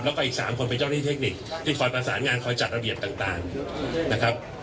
แล้วก็อีก๓คนเป็นเจ้าหน้าที่เทคนิคที่คอยประสานงานคอยจัดระเบียบต่างนะครับ